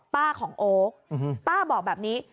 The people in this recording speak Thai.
ของโอ๊คป้าบอกแบบนี้